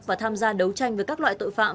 và tham gia đấu tranh với các loại tội phạm